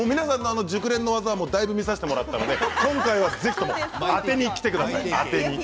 熟練の技はだいぶ見せてもらいましたので今回はぜひとも当てにきてください。